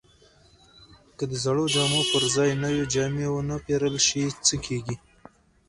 که د زړو جامو پر ځای نوې جامې ونه پیرل شي، څه کیږي؟